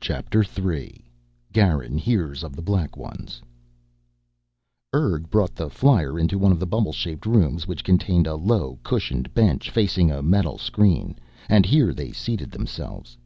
CHAPTER THREE Garin Hears of the Black Ones Urg brought the flyer into one of the bubble shaped rooms which contained a low, cushioned bench facing a metal screen and here they seated themselves.